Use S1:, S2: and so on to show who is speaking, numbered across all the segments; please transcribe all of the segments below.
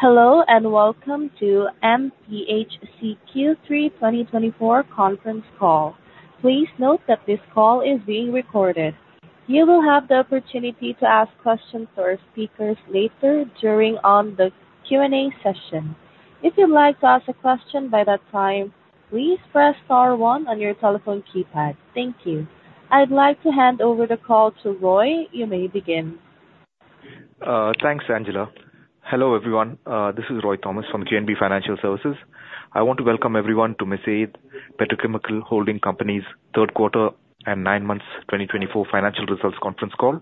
S1: Hello, and welcome to MPHC Q3 2024 conference call. Please note that this call is being recorded. You will have the opportunity to ask questions to our speakers later during the Q&A session. If you'd like to ask a question by that time, please press star one on your telephone keypad. Thank you. I'd like to hand over the call to Roy. You may begin. Thanks, Angela. Hello, everyone. This is Roy Thomas from GNB Financial Services. I want to welcome everyone to Mesaieed Petrochemical Holding Company's third quarter and nine months 2024 financial results conference call.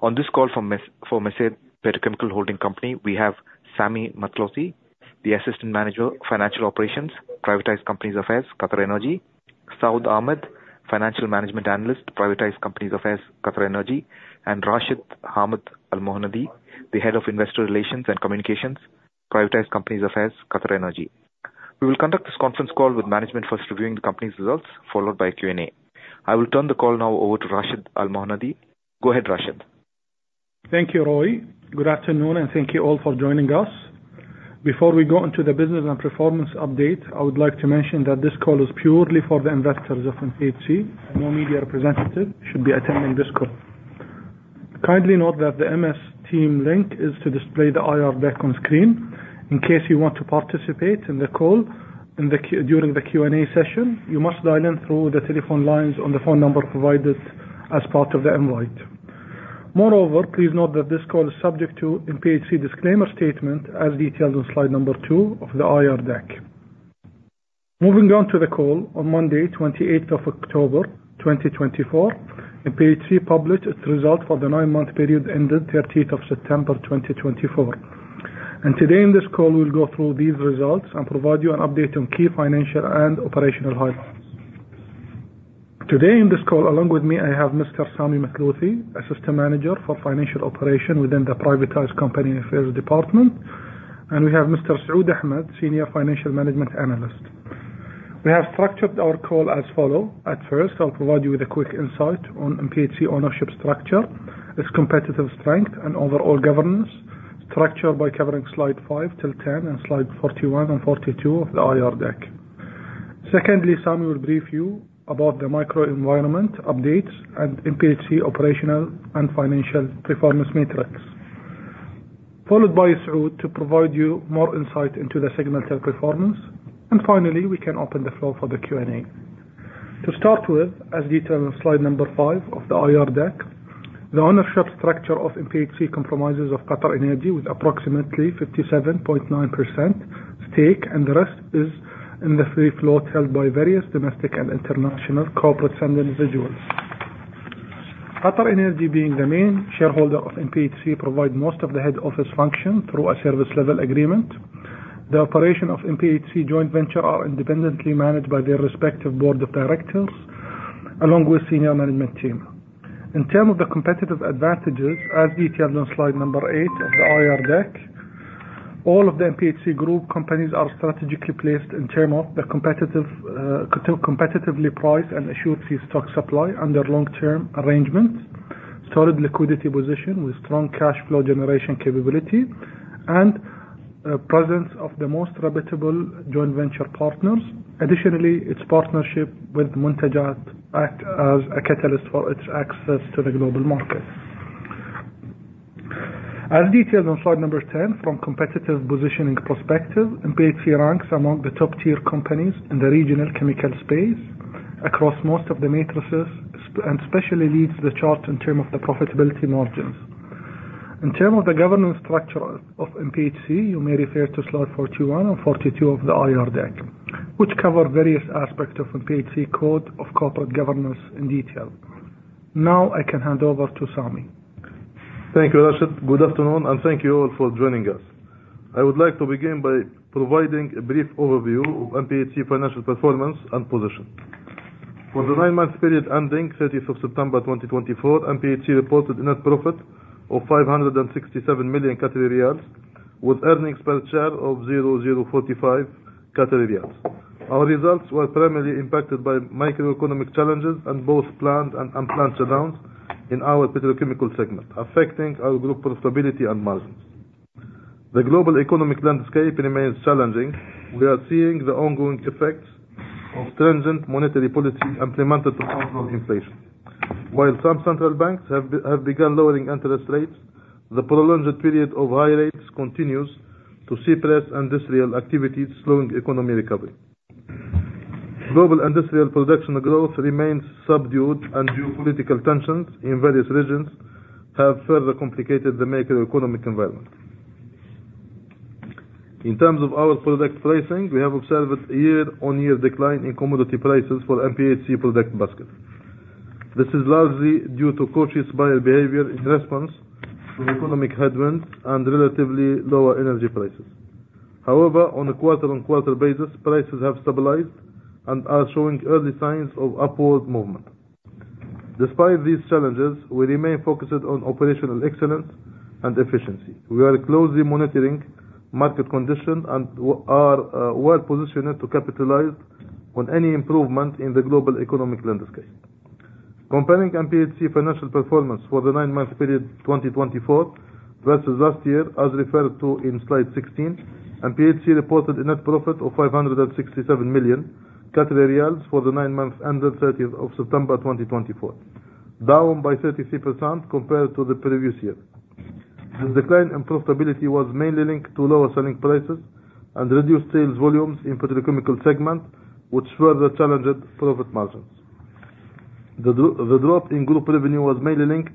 S1: On this call for Mesaieed Petrochemical Holding Company, we have Sami Mathlouthi, the Assistant Manager, Financial Operations, Privatized Companies Affairs, QatarEnergy. Saud Ahmed, Financial Management Analyst, Privatized Companies Affairs, QatarEnergy. Rashed Ahmed Al-Mohannadi, the Head of Investor Relations and Communications, Privatized Companies Affairs, QatarEnergy. We will conduct this conference call with management first reviewing the company's results, followed by Q&A. I will turn the call now over to Rashed Al-Mohannadi. Go ahead, Rashed.
S2: Thank you, Roy. Good afternoon, and thank you all for joining us. Before we go into the business and performance update, I would like to mention that this call is purely for the investors of MPHC. No media representative should be attending this call. Kindly note that the MS Teams link is to display the IR deck on screen. In case you want to participate in the call during the Q&A session, you must dial in through the telephone lines on the phone number provided as part of the invite. Moreover, please note that this call is subject to MPHC disclaimer statement as detailed on slide number two of the IR deck. Moving on to the call, on Monday, 28th of October 2024, MPHC published its results for the nine-month period ending 30 of September 2024. Today in this call, we'll go through these results and provide you an update on key financial and operational highlights. Today in this call, along with me, I have Mr. Sami Mathlouthi, Assistant Manager for Financial Operation within the Privatized Companies Affairs Department, we have Mr. Saud Ahmed, Senior Financial Management Analyst. We have structured our call as follow. At first, I'll provide you with a quick insight on MPHC ownership structure, its competitive strength, and overall governance structure by covering slide five till 10 and slide 41 and 42 of the IR deck. Secondly, Sami will brief you about the microenvironment updates and MPHC operational and financial performance metrics. Followed by Saud to provide you more insight into the segmental performance. Finally, we can open the floor for the Q&A. To start with, as detailed on slide number five of the IR deck, the ownership structure of MPHC compromises of QatarEnergy with approximately 57.9% stake, and the rest is in the free float held by various domestic and international corporates and individuals. QatarEnergy, being the main shareholder of MPHC, provide most of the head office function through a service level agreement. The operation of MPHC joint venture are independently managed by their respective board of directors, along with senior management team. In terms of the competitive advantages, as detailed on slide number eight of the IR deck, all of the MPHC group companies are strategically placed in terms of the competitively priced and assured feedstock supply under long-term arrangements, solid liquidity position with strong cash flow generation capability, and presence of the most reputable joint venture partners. Additionally, its partnership with Muntajat act as a catalyst for its access to the global market. As detailed on slide 10, from competitive positioning perspective, MPHC ranks among the top-tier companies in the regional chemical space across most of the matrices, and especially leads the chart in terms of the profitability margins. In terms of the governance structure of MPHC, you may refer to slide 41 and 42 of the IR deck, which cover various aspects of MPHC code of corporate governance in detail. Now I can hand over to Sami.
S3: Thank you, Rashed. Good afternoon, thank you all for joining us. I would like to begin by providing a brief overview of MPHC financial performance and position. For the nine months period ending 30 of September 2024, MPHC reported net profit of 567 million Qatari riyals, with earnings per share of 0.045 Qatari riyals. Our results were primarily impacted by macroeconomic challenges and both planned and unplanned shutdowns in our petrochemical segment, affecting our group profitability and margins. The global economic landscape remains challenging. We are seeing the ongoing effects of stringent monetary policy implemented to combat inflation. While some central banks have begun lowering interest rates, the prolonged period of high rates continues to suppress industrial activities, slowing economic recovery. Global industrial production growth remains subdued, geopolitical tensions in various regions have further complicated the macroeconomic environment. In terms of our product pricing, we have observed a year-on-year decline in commodity prices for MPHC product basket. This is largely due to cautious buyer behavior in response to economic headwinds and relatively lower energy prices. On a quarter-on-quarter basis, prices have stabilized and are showing early signs of upward movement. Despite these challenges, we remain focused on operational excellence and efficiency. We are closely monitoring market condition and are well-positioned to capitalize on any improvement in the global economic landscape. Comparing MPHC financial performance for the nine-month period 2024 versus last year, as referred to in slide 16, MPHC reported a net profit of 567 million for the nine months ended 30th of September 2024, down by 33% compared to the previous year. The decline in profitability was mainly linked to lower selling prices and reduced sales volumes in petrochemical segment, which further challenged profit margins. The drop in group revenue was mainly linked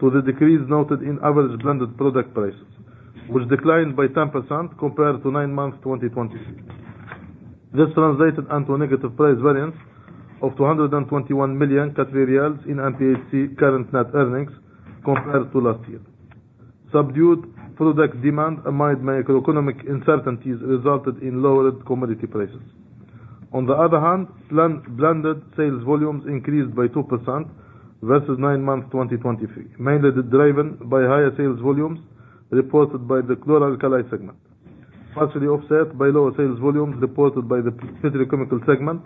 S3: to the decrease noted in average blended product prices, which declined by 10% compared to nine months 2023. This translated into a negative price variance of 221 million Qatari riyals in MPHC current net earnings compared to last year. Subdued product demand amid macroeconomic uncertainties resulted in lowered commodity prices. On the other hand, blended sales volumes increased by 2% versus nine months 2023, mainly driven by higher sales volumes reported by the chloralkali segment, partially offset by lower sales volumes reported by the petrochemical segment.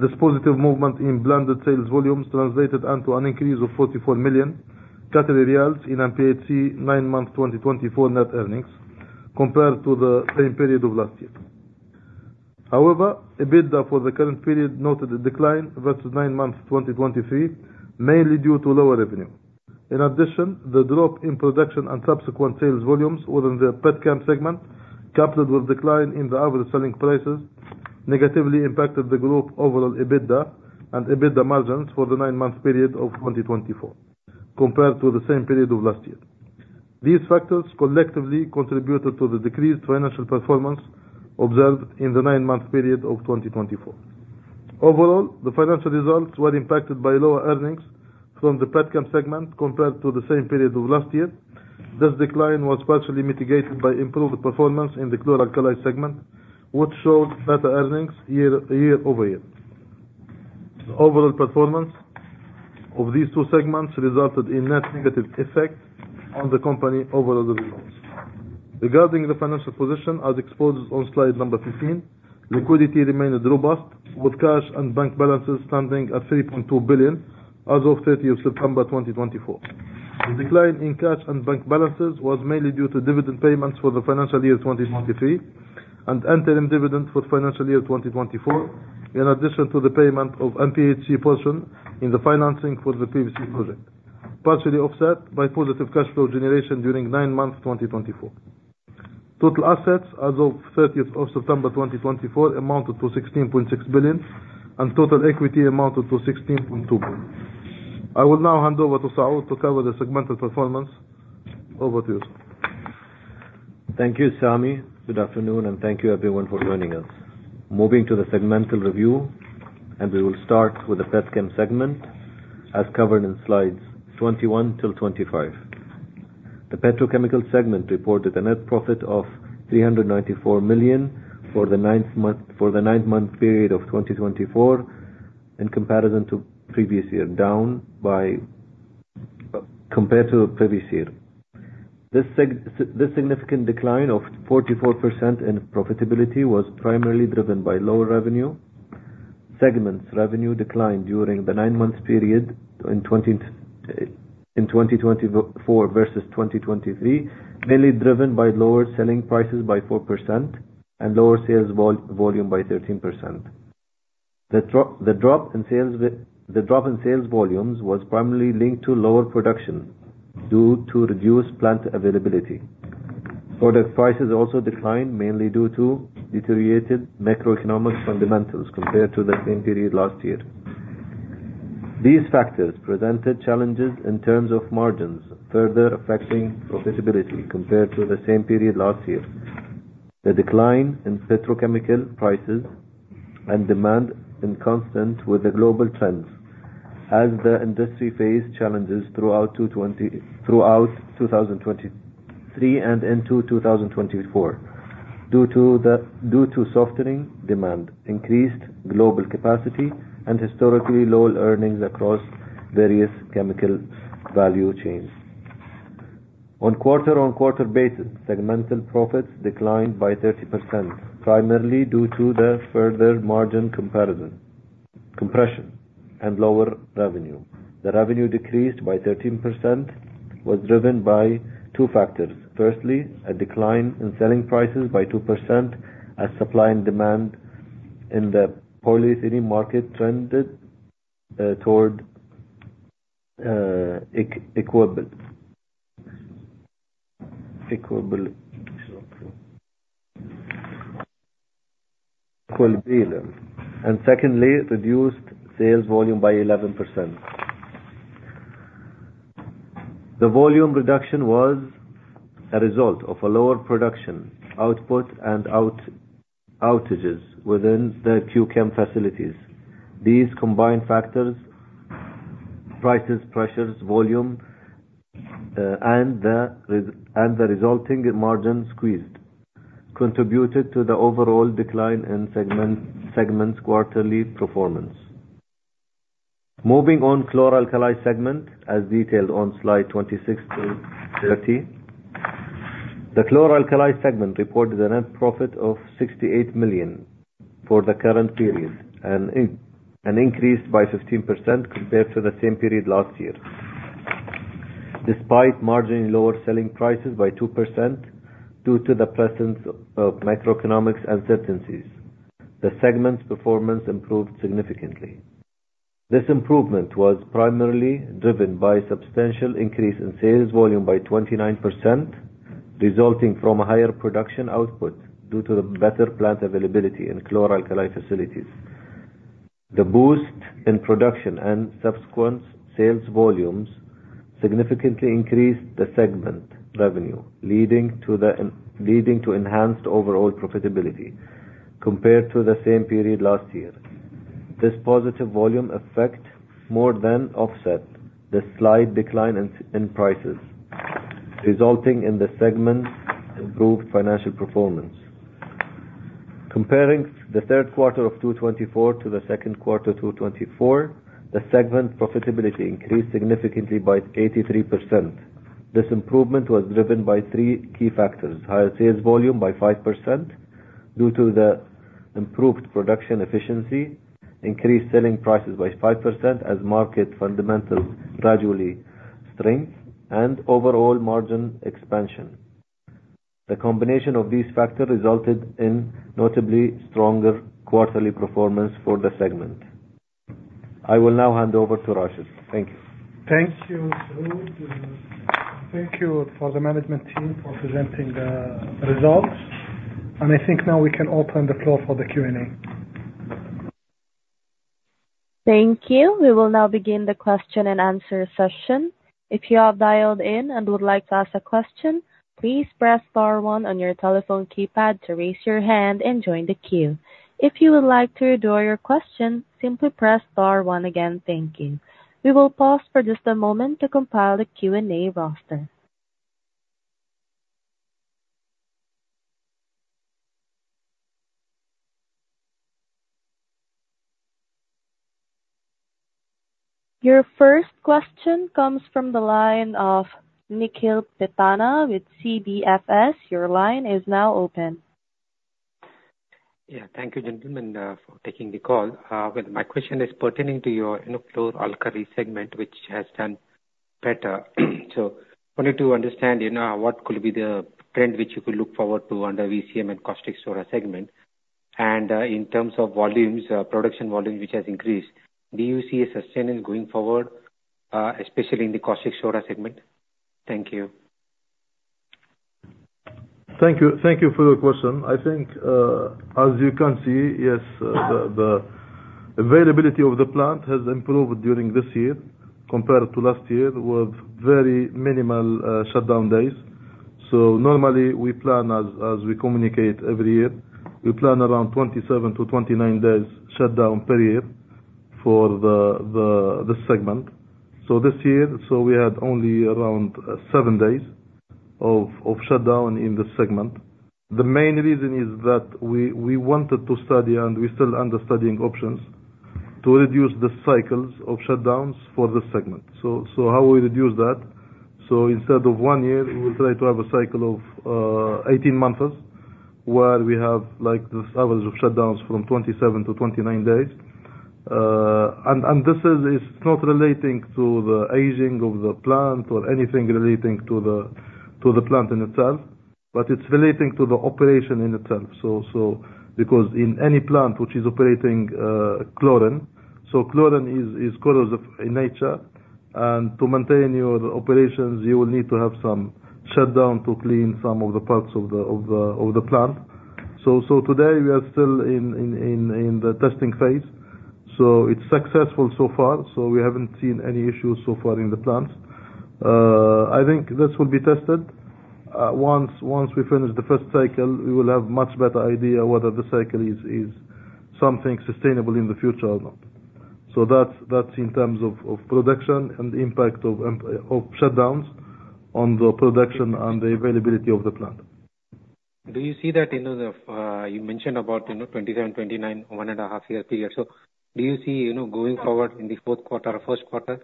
S3: This positive movement in blended sales volumes translated into an increase of 44 million in MPHC nine-month 2024 net earnings compared to the same period of last year. However, EBITDA for the current period noted a decline versus nine months 2023, mainly due to lower revenue. In addition, the drop in production and subsequent sales volumes within the Petchem segment, coupled with decline in the average selling prices, negatively impacted the group overall EBITDA and EBITDA margins for the nine-month period of 2024 compared to the same period of last year. These factors collectively contributed to the decreased financial performance observed in the nine-month period of 2024. Overall, the financial results were impacted by lower earnings from the Petchem segment compared to the same period of last year. This decline was partially mitigated by improved performance in the chloralkali segment, which showed better earnings year over year. The overall performance of these two segments resulted in net negative effect on the company overall results. Regarding the financial position as exposed on slide number 15, liquidity remained robust with cash and bank balances standing at 3.2 billion as of 30th September 2024. The decline in cash and bank balances was mainly due to dividend payments for FY 2023 and interim dividends for FY 2024, in addition to the payment of MPHC portion in the financing for the PVC project, partially offset by positive cash flow generation during nine months 2024. Total assets as of 30th of September 2024 amounted to 16.6 billion, and total equity amounted to 16.2 billion. I will now hand over to Saad to cover the segmental performance. Over to you.
S4: Thank you, Sami. Good afternoon. Thank you everyone for joining us. Moving to the segmental review, we will start with the Petchem segment as covered in slides 21-25. The petrochemical segment reported a net profit of 394 million for the nine-month period of 2024 in comparison to previous year, down compared to previous year. This significant decline of 44% in profitability was primarily driven by lower revenue. Segments revenue declined during the nine-month period in 2024 versus 2023, mainly driven by lower selling prices by 4% and lower sales volume by 13%. The drop in sales volumes was primarily linked to lower production due to reduced plant availability. Product prices also declined mainly due to deteriorated macroeconomic fundamentals compared to the same period last year. These factors presented challenges in terms of margins, further affecting profitability compared to the same period last year. The decline in petrochemical prices and demand in consistent with the global trends as the industry faced challenges throughout 2023 and into 2024 due to softening demand, increased global capacity, and historically low earnings across various chemical value chains. On a quarter-on-quarter basis, segmental profits declined by 30%, primarily due to the further margin compression and lower revenue. The revenue decreased by 13%, was driven by two factors. Firstly, a decline in selling prices by 2% as supply and demand in the polyethylene market trended toward equilibrium. Secondly, reduced sales volume by 11%. The volume reduction was a result of a lower production output and outages within the Q-Chem facilities. These combined factors, prices, pressures, volume, and the resulting margin squeezed contributed to the overall decline in segment's quarterly performance. Moving on Chlor-Alkali segment, as detailed on slide 26 through 30. The Chlor-Alkali segment reported a net profit of 68 million for the current period, an increase by 15% compared to the same period last year. Despite lower selling prices by 2% due to the presence of macroeconomic uncertainties, the segment's performance improved significantly. This improvement was primarily driven by a substantial increase in sales volume by 29%, resulting from a higher production output due to the better plant availability in Chlor-Alkali facilities. The boost in production and subsequent sales volumes significantly increased the segment revenue, leading to enhanced overall profitability compared to the same period last year. This positive volume effect more than offset the slight decline in prices, resulting in the segment's improved financial performance. Comparing the third quarter of 2024 to the second quarter 2024, the segment profitability increased significantly by 83%. This improvement was driven by three key factors. Higher sales volume by 5% due to the improved production efficiency, increased selling prices by 5% as market fundamentals gradually strengthened, and overall margin expansion. The combination of these factors resulted in notably stronger quarterly performance for the segment. I will now hand over to Rashed. Thank you.
S2: Thank you, Masoud. Thank you for the management team for presenting the results. I think now we can open the floor for the Q&A.
S1: Thank you. We will now begin the question and answer session. If you have dialed in and would like to ask a question, please press star one on your telephone keypad to raise your hand and join the queue. If you would like to withdraw your question, simply press star one again. Thank you. We will pause for just a moment to compile a Q&A roster. Your first question comes from the line of Nikhil Pethana with CBFS. Your line is now open.
S5: Yeah. Thank you, gentlemen, for taking the call. My question is pertaining to your Chlor-Alkali segment, which has done better. Wanted to understand what could be the trend which you could look forward to under VCM and Caustic Soda segment. In terms of production volume, which has increased. Do you see a sustainable going forward, especially in the Caustic Soda segment? Thank you.
S4: Thank you for the question. I think, as you can see, yes, the availability of the plant has improved during this year compared to last year, with very minimal shutdown days. Normally, we plan as we communicate every year. We plan around 27-29 days shutdown per year for this segment. This year, we had only around seven days of shutdown in this segment. The main reason is that we wanted to study, and we're still under studying options to reduce the cycles of shutdowns for this segment. How we reduce that. Instead of one year, we will try to have a cycle of 18 months, where we have the average of shutdowns from 27-29 days. This is not relating to the aging of the plant or anything relating to the plant in itself, but it's relating to the operation in itself. Because in any plant which is operating chlorine, so chlorine is corrosive in nature, and to maintain your operations, you will need to have some shutdown to clean some of the parts of the plant. Today, we are still in the testing phase. It's successful so far. We haven't seen any issues so far in the plant. I think this will be tested. Once we finish the first cycle, we will have much better idea whether the cycle is something sustainable in the future or not. That's in terms of production and the impact of shutdowns on the production and the availability of the plant.
S5: Do you see that, you mentioned about 27, 29, one and a half year period. Do you see, going forward in the fourth quarter or first quarter,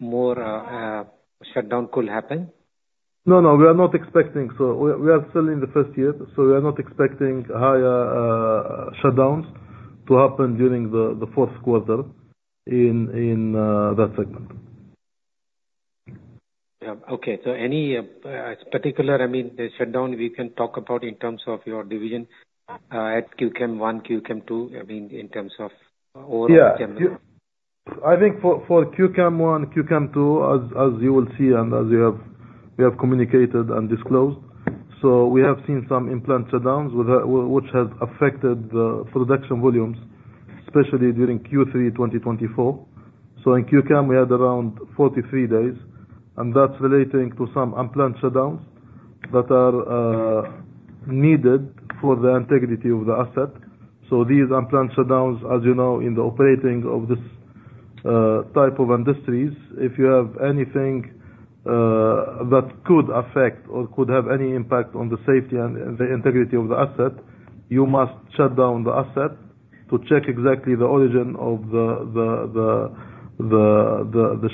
S5: more shutdown could happen?
S4: No. We are not expecting. We are still in the first year, so we are not expecting higher shutdowns to happen during the fourth quarter in that segment.
S5: Yeah. Okay. Any particular shutdown we can talk about in terms of your division at Q-Chem I, Q-Chem II, in terms of all of the chemical?
S4: Yeah. I think for Q-Chem I, Q-Chem II, as you will see and as we have communicated and disclosed. We have seen some unplanned shutdowns which has affected the production volumes, especially during Q3 2024. In Q-Chem, we had around 43 days, and that's relating to some unplanned shutdowns that are needed for the integrity of the asset. These unplanned shutdowns, as you know, in the operating of this type of industries, if you have anything that could affect or could have any impact on the safety and the integrity of the asset, you must shut down the asset.
S2: To check exactly the origin of the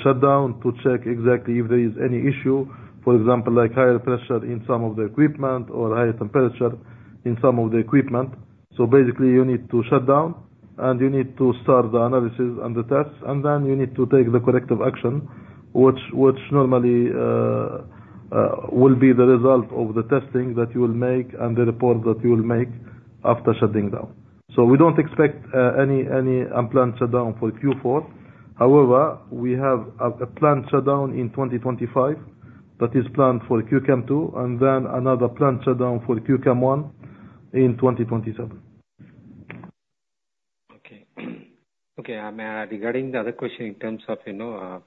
S2: shutdown, to check exactly if there is any issue, for example, like higher pressure in some of the equipment or higher temperature in some of the equipment. Basically, you need to shut down and you need to start the analysis and the tests, and then you need to take the corrective action, which normally will be the result of the testing that you will make and the report that you will make after shutting down. We don't expect any unplanned shutdown for Q4. However, we have a planned shutdown in 2025 that is planned for Q-Chem II, and then another planned shutdown for Q-Chem I in 2027.
S5: Okay. Regarding the other question in terms of the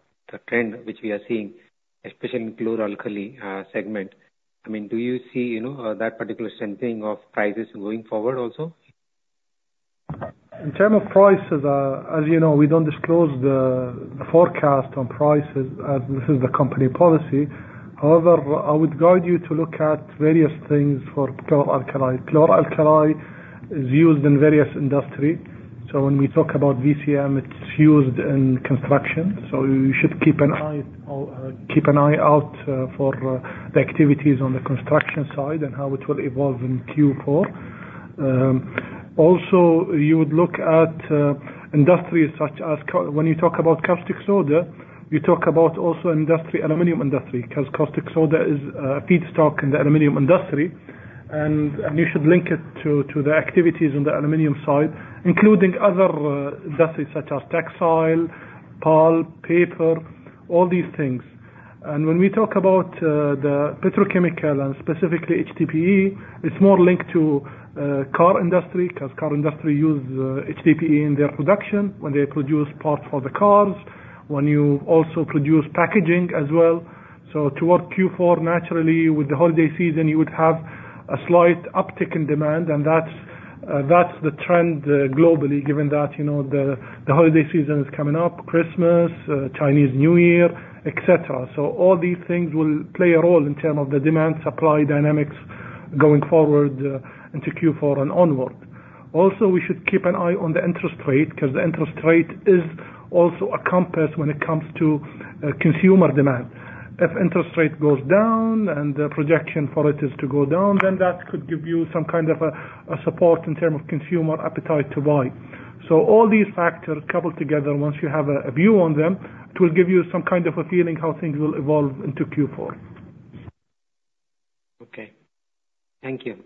S5: trend which we are seeing, especially in Chlor-Alkali segment, do you see that particular trending of prices going forward also?
S2: In term of prices, as you know, we don't disclose the forecast on prices as this is the company policy. However, I would guide you to look at various things for Chlor-Alkali. Chlor-Alkali is used in various industry. When we talk about VCM, it's used in construction. You should keep an eye out for the activities on the construction side and how it will evolve in Q4. Also, you would look at industries such as, when you talk about Caustic Soda, you talk about also industry, aluminum industry. Because Caustic Soda is a feedstock in the aluminum industry. You should link it to the activities in the aluminum side, including other industries such as textile, pulp, paper, all these things. When we talk about the petrochemical and specifically HDPE, it's more linked to car industry, because car industry use HDPE in their production when they produce parts for the cars. When you also produce packaging as well. Toward Q4, naturally, with the holiday season, you would have a slight uptick in demand, and that's the trend globally, given that the holiday season is coming up, Christmas, Chinese New Year, et cetera. All these things will play a role in term of the demand supply dynamics going forward into Q4 and onward. Also, we should keep an eye on the interest rate, because the interest rate is also a compass when it comes to consumer demand. If interest rate goes down and the projection for it is to go down, then that could give you some kind of a support in term of consumer appetite to buy. All these factors coupled together, once you have a view on them, it will give you some kind of a feeling how things will evolve into Q4.
S5: Okay. Thank you.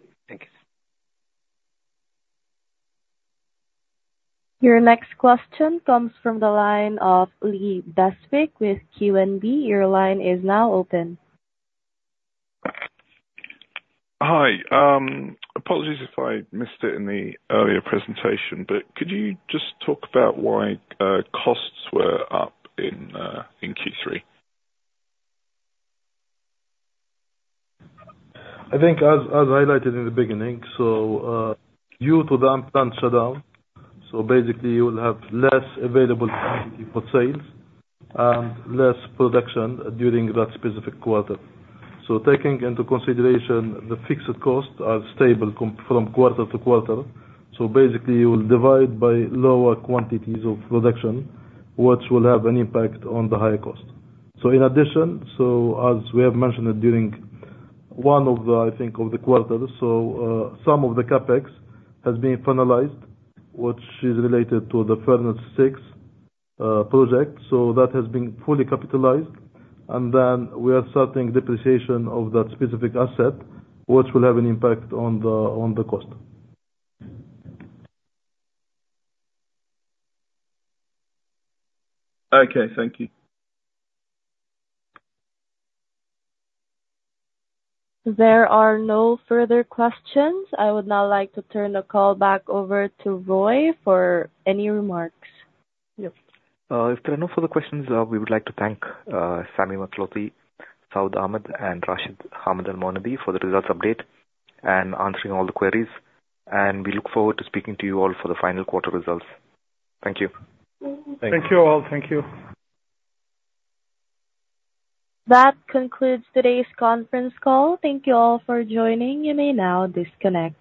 S1: Your next question comes from the line of Lee Beswick with QNB. Your line is now open.
S6: Hi. Apologies if I missed it in the earlier presentation, but could you just talk about why costs were up in Q3?
S2: As highlighted in the beginning, due to the unplanned shutdown, you will have less available quantity for sales and less production during that specific quarter. Taking into consideration, the fixed costs are stable from quarter to quarter, you will divide by lower quantities of production, which will have an impact on the higher cost. In addition, as we have mentioned it during one of the quarters, some of the CapEx has been finalized, which is related to the Furnace 6 project. That has been fully capitalized. Then we are starting depreciation of that specific asset, which will have an impact on the cost.
S6: Okay. Thank you.
S1: There are no further questions. I would now like to turn the call back over to Roy for any remarks. Yep. If there are no further questions, we would like to thank Sami Mathlouthi, Saud Ahmed, and Rashed Al-Mohannadi for the results update and answering all the queries, and we look forward to speaking to you all for the final quarter results. Thank you.
S2: Thank you all. Thank you.
S1: That concludes today's conference call. Thank you all for joining. You may now disconnect.